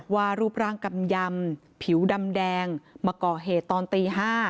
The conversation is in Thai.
ว่ารูปร่างกำยำผิวดำแดงมาก่อเหตุตอนตี๕